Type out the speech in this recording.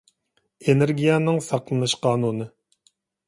ئېنېرگىيەنىڭ ساقلىنىش قانۇنى